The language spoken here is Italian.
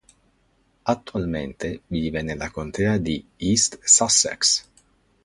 Attualmente vive nella contea di East Sussex.